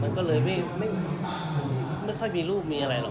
มันก็เลยไม่ค่อยมีลูกมีอะไรหรอก